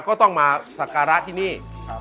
ก็ต้องมาสักการะที่นี่